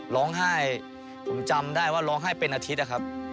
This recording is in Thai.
ร้องไห้ผมจำได้ว่าร้องไห้เป็นอาทิตย์นะครับ